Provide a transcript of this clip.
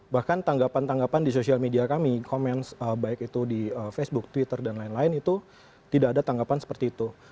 bahkan tanggapan tanggapan di sosial media kami komen baik itu di facebook twitter dan lain lain itu tidak ada tanggapan seperti itu